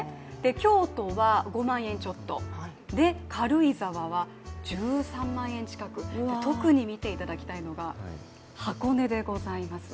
京都は５万円ちょっと、軽井沢は１３万円近く、特に見ていただきたいのが箱根でございます。